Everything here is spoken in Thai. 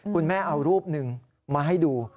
คุณแม่เอารูปหนึ่งมาให้ดู